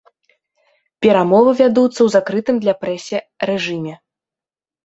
Перамовы вядуцца ў закрытым для прэсе рэжыме.